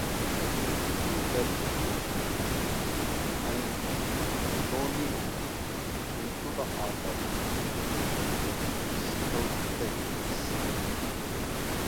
He led Antonio into the art of sculpting.